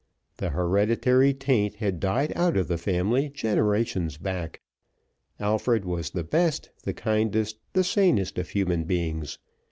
The hereditary taint had died out of the family generations back. Alfred was the best, the kindest, the sanest of human beings.